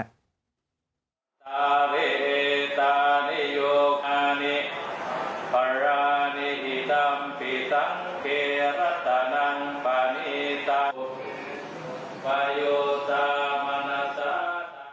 พระโยสามณสาธาราชาว